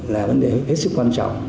là vấn đề hết sức quan trọng